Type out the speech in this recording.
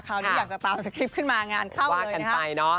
ที่อยากจะตามสคริปต์ขึ้นมางานเข้าเลยนะครับ